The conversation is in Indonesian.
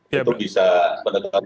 itu bisa menetapkan